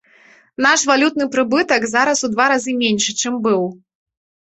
Наш валютны прыбытак зараз у два разы меншы, чым быў.